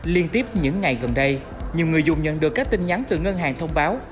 liên tiếp những ngày gần đây nhiều người dùng nhận được các tin nhắn từ ngân hàng thông báo